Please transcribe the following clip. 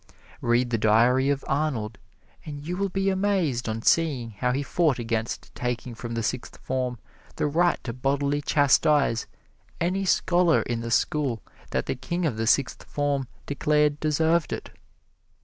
Read the diary of Arnold, and you will be amazed on seeing how he fought against taking from the Sixth Form the right to bodily chastise any scholar in the school that the king of the Sixth Form declared deserved it.